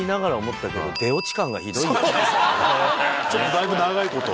だいぶ長いこと。